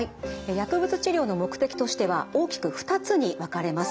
薬物治療の目的としては大きく２つに分かれます。